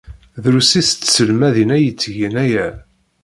Drusit tselmadin ay yettgen aya.